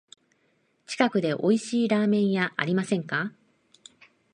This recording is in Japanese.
近くでおいしいラーメン屋ありませんか？